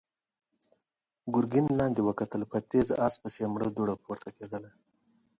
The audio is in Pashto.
ګرګين لاندې وکتل، په تېز آس پسې مړه دوړه پورته کېدله.